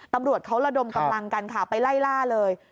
ตำรวจเขาระดมกำลังกันค่ะไปไล่ล่าเลย